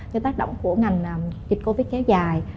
do tác động của ngành dịch covid kéo dài